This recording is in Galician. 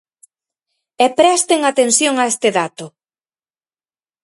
E presten atención a este dato.